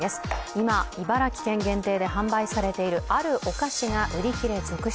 今、茨城県限定で販売されているお菓子が売り切れ続出。